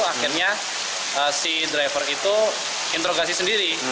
akhirnya si driver itu interogasi sendiri